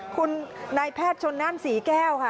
คุณนายแพทย์ชนนั่นศรีแก้วค่ะ